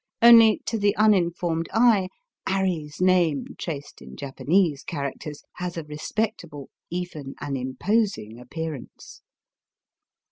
Only to the uninformed eye 'Arry's name traced in Japanese characters has a respect able, even an imposing appearance.